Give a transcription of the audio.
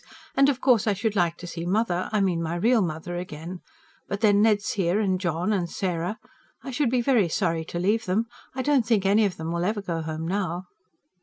And of course I should like to see mother I mean my real mother again. But then Ned's here ... and John, and Sarah. I should be very sorry to leave them. I don't think any of them will ever go home now."